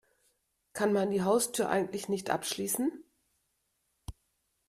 Kann man die Haustür eigentlich nicht abschließen?